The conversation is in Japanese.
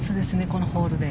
このホールで。